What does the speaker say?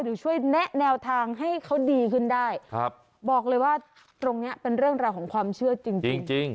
ช่วยแนะแนวทางให้เขาดีขึ้นได้ครับบอกเลยว่าตรงเนี้ยเป็นเรื่องราวของความเชื่อจริงจริง